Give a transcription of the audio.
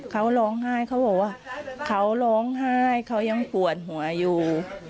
เขาร้องไห้เขาบอกว่าเขาร้องไห้เขายังปวดหัวอยู่